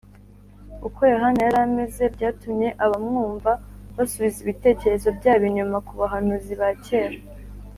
Uko Yohana yari ameze byatumye abamwumva basubiza ibitekerezo byabo inyuma ku bahanuzi ba kera